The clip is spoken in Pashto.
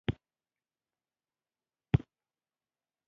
نویو غړو راتګ مخه ونیسي.